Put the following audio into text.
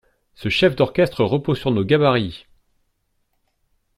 Ce chef d'orchestre repose sur nos gabarits!